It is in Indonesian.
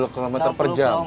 enam puluh km per jam